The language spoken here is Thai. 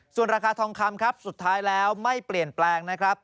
ส่วนราคาทองคำครับสุดท้ายแล้วไม่เปลี่ยนแปลงนะครับ